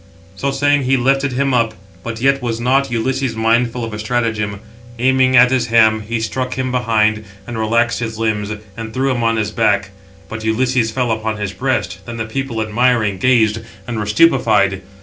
So saying, he lifted him up: but yet was not Ulysses unmindful of a stratagem. Aiming at his ham, he struck him behind, and relaxed his limbs, and threw him on his back; but Ulysses fell upon his breast; then the people admiring gazed, and were stupified.